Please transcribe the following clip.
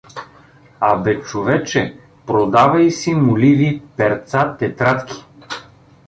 А бе, човече, продавай си моливи, перца, тетрадки.